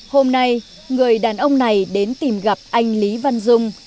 hôm nay người đàn ông này đến tìm gặp anh lý văn dung